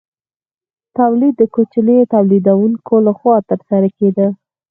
تولید د کوچنیو تولیدونکو لخوا ترسره کیده.